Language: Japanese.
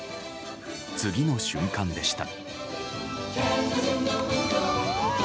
次の瞬間でした。